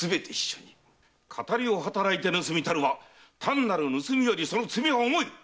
騙りを働いて盗みたるは単なる盗みよりその罪は重い！